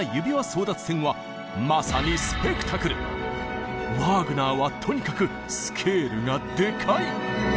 争奪戦はまさにワーグナーはとにかくスケールがでかい！